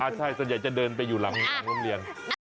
ใช่ส่วนใหญ่จะเดินไปอยู่หลังโรงเรียน